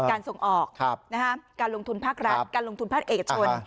การส่งออกการลงทุนภาครัฐการลงทุนภาคเอกชน